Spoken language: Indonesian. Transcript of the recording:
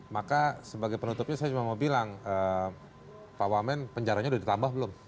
maka sebagai penutupnya saya cuma mau bilang pak wamen penjaranya udah ditambah belum